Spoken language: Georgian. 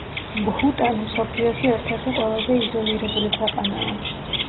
ბჰუტანი მსოფლიოში ერთ-ერთი ყველაზე იზოლირებული ქვეყანაა.